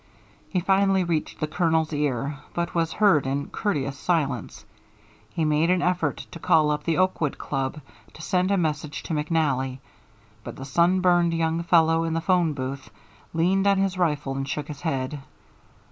He finally reached the Colonel's ear, but was heard in courteous silence. He made an effort to call up the Oakwood Club to send a message to McNally, but the sunburned young fellow in the 'phone box leaned on his rifle and shook his head.